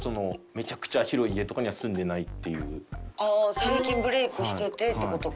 最近ブレイクしててって事か。